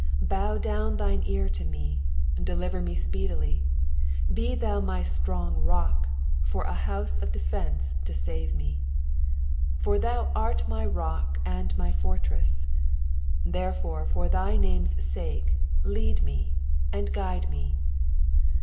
2 Bow down thine ear to me ; deliver me speedily ; be thou my strong rock, for an house of defence to save me. 3 B or thou ari my rock and my fortress ; therefore for thy name's sake lead me, and guide me.